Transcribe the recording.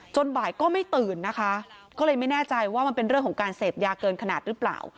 บ่ายก็ไม่ตื่นนะคะก็เลยไม่แน่ใจว่ามันเป็นเรื่องของการเสพยาเกินขนาดหรือเปล่า